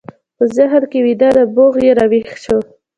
په ذهن کې ویده نبوغ یې راویښ شو